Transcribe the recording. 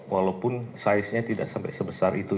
walaupun saiznya tidak sampai sebesar itu